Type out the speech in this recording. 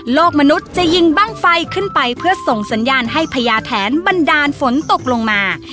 มนุษย์จะยิงบ้างไฟขึ้นไปเพื่อส่งสัญญาณให้พญาแถนบันดาลฝนตกลงมา